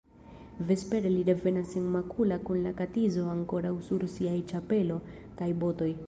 Vespere li revenas senmakula kun la katizo ankoraŭ sur siaj ĉapelo kaj botoj.